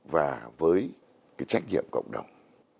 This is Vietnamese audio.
và với cái trách nhiệm cộng đồng